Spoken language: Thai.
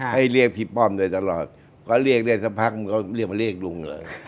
ให้เรียกพี่ป้อมโดยตลอดก็เรียกได้สักพักมันก็เรียกมาเรียกลุงเลย